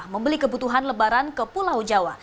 membeli kebutuhan lebaran ke pulau jawa